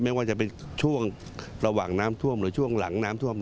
ไม่ว่าจะเป็นช่วงระหว่างน้ำท่วมหรือช่วงหลังน้ำท่วม